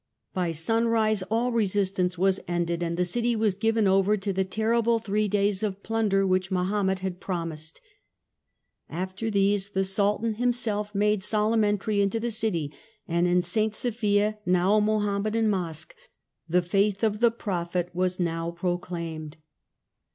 By sunrise all resistance was ended, and the city was given over to the terrible three days of plunder which Mahomet had promised. After these, the Sultan himself made solemn entry into the city ; and in St. Sophia, now a Mohammedan mosque, the faith of the prophet was pro claiined.